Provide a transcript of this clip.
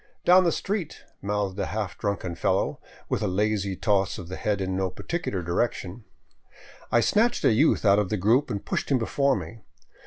"Down the street," mouthed a half drunken fellow, with a lazy toss of the head in no particular direction. I snatched a youth out of the group and pushed him before me.